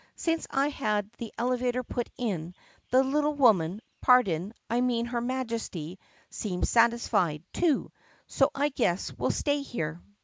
Since I had the elevator put in, the little woman — pardon, I mean her Majesty — seems satisfied, too, so I guess we 'll stay here."